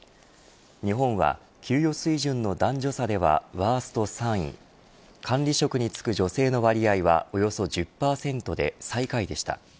日本は給与水準の男女差ではワースト３位管理職に就く女性の割合はおよそ１０％で最下位でした。